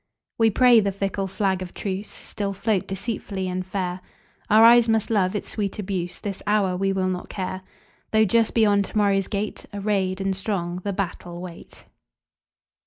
We pray the fickle flag of truceStill float deceitfully and fair; Our eyes must love its sweet abuse; This hour we will not care, Though just beyond to morrow's gate, Arrayed and strong, the battle wait.